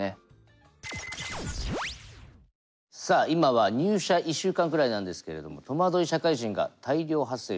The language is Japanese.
さあ今は入社１週間くらいなんですけれどもとまどい社会人が大量発生していると思うんですが